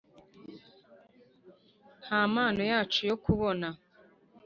nta mpano yacu yo kubona